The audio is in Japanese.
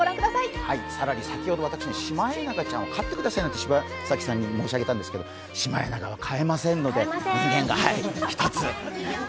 先ほどシマエナガちゃんを飼ってくださいなんて柴咲さんに申し上げたんですが、シマエナガは飼えませんので。